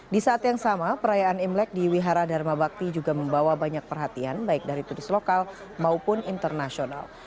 di saat yang sama perayaan imlek di wihara dharma bakti juga membawa banyak perhatian baik dari turis lokal maupun internasional